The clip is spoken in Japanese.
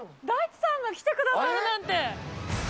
大地さんが来てくださるなんて。